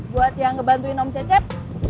buat yang ngebantuin om cecep